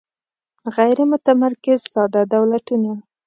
غیر متمرکز ساده دولتونه